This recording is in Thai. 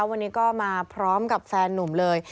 วันนี้ก็มาพร้อมกับแฟนนุ่มเลย